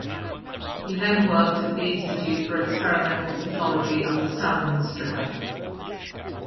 He then worked at the Institute for Experimental Pathology under Salomon Stricker.